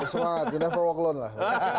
bersemangat you never walk alone lah